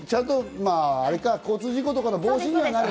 交通事故とかの防止になるか。